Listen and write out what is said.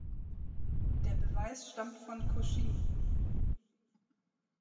Der Beweis stammt von Cauchy.